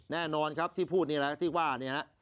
แน่นอนครับที่พูดนี่แหละที่ว่าเนี่ยนะ